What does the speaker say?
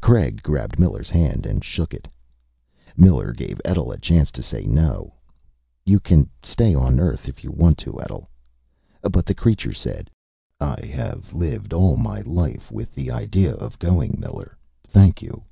Craig grabbed Miller's hand and shook it. Miller gave Etl a chance to say no. "You can stay on Earth if you want to, Etl." But the creature said: "I have lived all my life with the idea of going, Miller. Thank you."